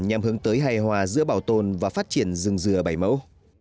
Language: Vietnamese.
nhằm hướng tới hài hòa giữa bảo tồn và phát triển rừng dừa bảy mẫu